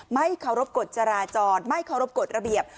ไม่เคารพกฎจราจรไม่เคารพกฎระเบียบ